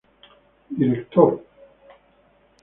Director Sr.